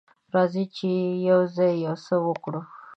راځئ چې یوځای یو څه وکړو.